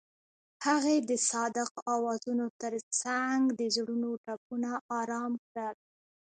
هغې د صادق اوازونو ترڅنګ د زړونو ټپونه آرام کړل.